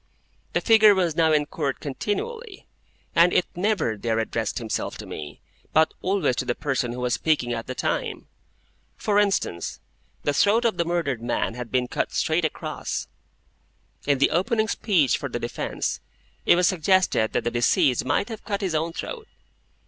The figure was now in Court continually, and it never there addressed itself to me, but always to the person who was speaking at the time. For instance: the throat of the murdered man had been cut straight across. In the opening speech for the defence, it was suggested that the deceased might have cut his own throat.